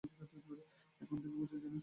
এখান থেকে বোঝা যায় না, চূড়াগুলো কতটা উঁচু।